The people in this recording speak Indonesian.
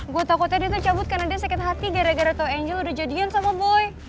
gue takutnya dia itu cabut karena dia sakit hati gara gara to angel udah jadian sama boy